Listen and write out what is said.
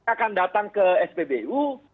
akan datang ke spbu